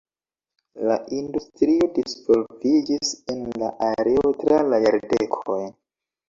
La industrio disvolviĝis en la areo tra la jardekoj.